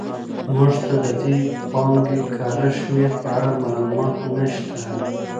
موږ ته د دې پانګې کره شمېر په اړه معلومات نه شته.